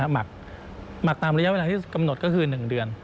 หมักตามระยะเวลาที่กำหนดก็คือ๑เดือน